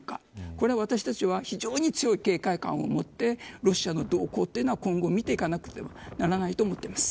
これは私たちは非常に強い警戒感を持ってロシアの動向を今後見ていかなければならないと思ってます。